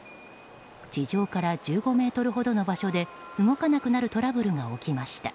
地上から１５ｍほどの場所で動かなくなるトラブルが起きました。